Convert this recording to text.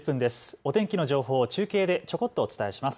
お天気の情報を中継でちょこっとお伝えします。